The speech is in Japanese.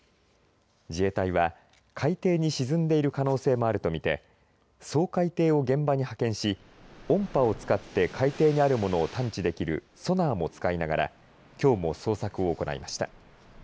自衛隊は、海底に沈んでいる可能性もあるとみて掃海艇を現場に派遣し音波を使って海底にあるものを探知できるソナーも使いながらきょうも捜索を行いました。